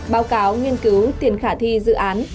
báo cáo nghiên cứu tiền khả thi dự án